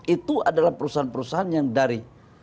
itu adalah perusahaan perusahaan yang dari